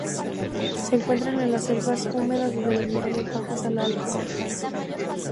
Se encuentran en las selvas húmedas desde los niveles bajos a la alta montaña.